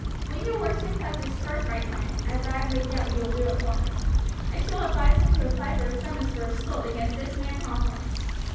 When your worships have discharged my client, as I have no doubt you will do at once, I shall advise him to apply for a summons for assault against this man Hathorn."